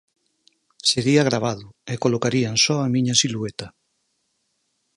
Sería gravado e colocarían só a miña silueta.